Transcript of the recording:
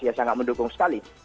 ya sangat mendukung sekali